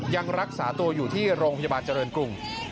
ยังรักษาตัวอยู่ที่โรงพยาบาลเจริญกรุง